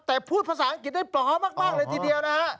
แต่พูดภาษาอังกฤษได้ปลอมมากเลยทีเดียวนะฮะ